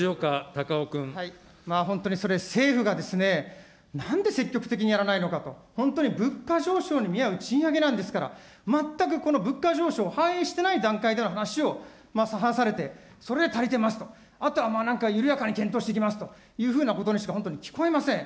本当にそれ、政府がなんで積極的にやらないのかと、本当に物価上昇に見合う賃上げなんですから、全くこの物価上昇を反映してない段階での話を話されて、それで足りてますと、あとはなんか緩やかに検討していきたいというふうなことにしか本当に聞こえません。